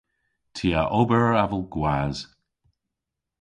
Ty a ober avel gwas.